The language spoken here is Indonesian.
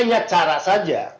ini hanya cara saja